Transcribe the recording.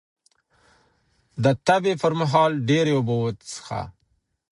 د تبې پر مهال ډېرې اوبه وڅښه